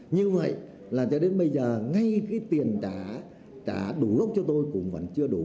như vậy là cho đến bây giờ ngay cái tiền đã trả đủ lúc cho tôi cũng vẫn chưa đủ